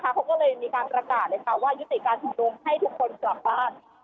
เขาก็เลยมีการประกาศเลยค่ะว่ายุติการชุมนุมให้ทุกคนกลับบ้าน